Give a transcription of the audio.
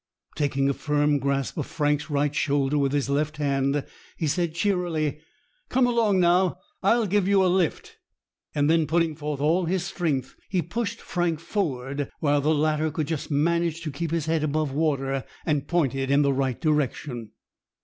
Taking a firm, grasp of Frank's right shoulder with his left hand, he said cheerily,— "Come along now; I'll give you a lift." Then, putting forth all his strength, he pushed Frank forward; while the latter could just manage to keep his head above water, and pointed in the right direction.